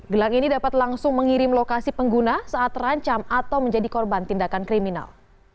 gelang ini dapat langsung mengirim lokasi pengguna saat terancam atau menjadi korban tindakan kriminal